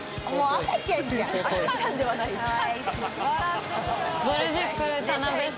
赤ちゃんではない。